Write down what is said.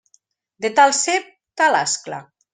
De tal cep, tal ascla.